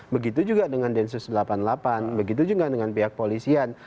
begitu juga dengan densus delapan puluh delapan begitu juga dengan pihak polisian